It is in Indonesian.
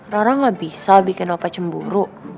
rara gak bisa bikin apa cemburu